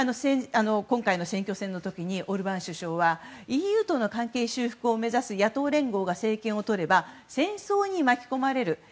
今回の選挙戦でオルバーン首相はＥＵとの関係修復を目指す野党連合が政権をとれば戦争に巻き込まれる。